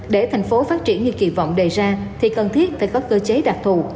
để thành phố phát triển như kỳ vọng đề ra thì cần thiết phải có cơ chế đặc thù